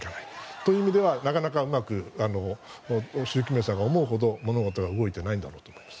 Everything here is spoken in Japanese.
ということで、なかなか習近平さんが思うほど物事が動いていないんだろうと思います。